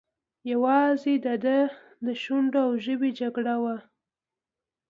یوازې د ده د شونډو او ژبې جګړه وه.